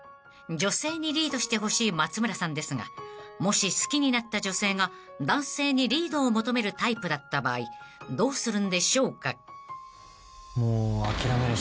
［女性にリードしてほしい松村さんですがもし好きになった女性が男性にリードを求めるタイプだった場合どうするんでしょうか？］